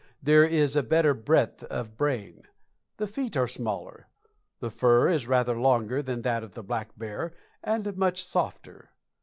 There is a better breadth of brain. The feet are smaller. The fur is rather longer than that of the black bear and much softer.